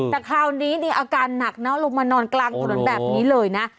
แต่คราวนี้เนี่ยอาการหนักนะลงมานอนกลางถนนแบบนี้เลยนะ